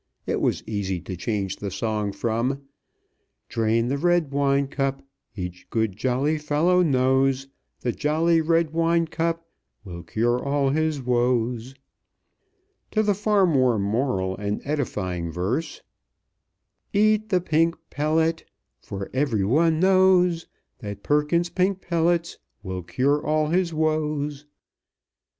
It was easy to change the song from "Drain the red wine cup Each good fellow knows The jolly red wine cup Will cure all his woes" to the far more moral and edifying verse, "Eat the Pink Pellet, For every one knows That Perkins's Pink Pellets Will cure all his woes."